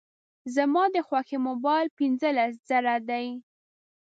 زما د خوښي موبایل په پینځلس زره دی